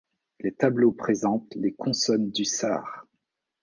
Les tableaux présentent les consonnes du sar.